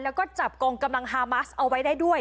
แล้วก็จับกองกำลังฮามัสเอาไว้ได้ด้วย